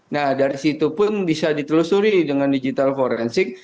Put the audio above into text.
nah dari situ pun bisa ditelusuri dengan digital forensik